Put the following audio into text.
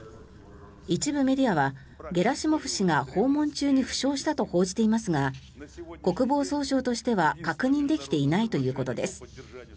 一部メディアは、ゲラシモフ氏が訪問中に負傷したと報じていますが国防総省としては確認できていないということです。